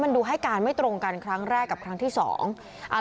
มันดูให้การไม่ตรงกันครั้งแรกกับครั้งที่สองอ่า